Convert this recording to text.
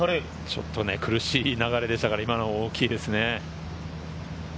ちょっと苦しい流れでしたから今のは大きいですね。